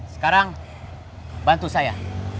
sekarang bantu saya